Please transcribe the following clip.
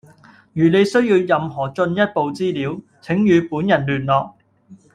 如你需要任何進一步資料，請與本人聯絡。